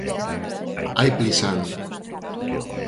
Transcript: ¡Hai Plisán!